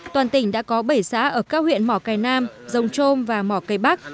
toàn tỉnh đã có bảy xã ở các huyện mỏ cây nam rồng trôm và mỏ cây bắc